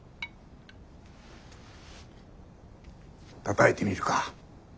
たたいてみるか？